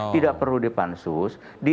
tidak perlu di pansus